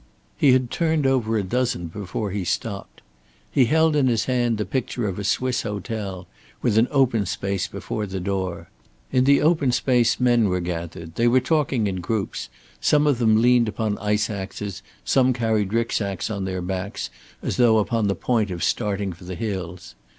He had turned over a dozen before he stopped. He held in his hand the picture of a Swiss hotel, with an open space before the door. In the open space men were gathered. They were talking in groups; some of them leaned upon ice axes, some carried Rücksacks upon their backs, as though upon the point of starting for the hills.